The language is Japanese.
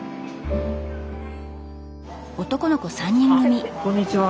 あっこんにちは。